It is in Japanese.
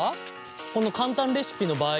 この簡単レシピの場合は？